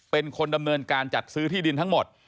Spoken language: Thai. เป็นคนดำเนินการจัดซื้อที่ดินทั้งหมด